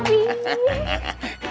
terima kasih bapak